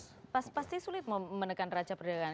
pasti sulit menekan neracap dagangan